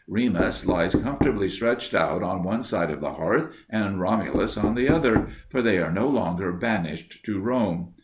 Remus lies comfortably stretched out on one side of the hearth and Romulus on the other, for they are no longer banished to Rome.